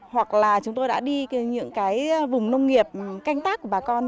hoặc là chúng tôi đã đi những cái vùng nông nghiệp canh tác của bà con